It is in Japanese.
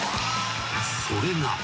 ［それが］